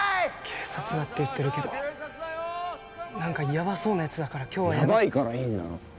警察だって言ってるけど何かヤバそうなやつだから今日はヤバイからいいんだろ？